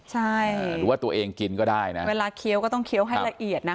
ใช่หรือว่าตัวเองกินก็ได้นะเวลาเคี้ยวก็ต้องเคี้ยวให้ละเอียดนะ